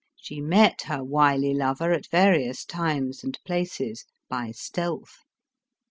281 she met her wily lover at various times and places, by stealth.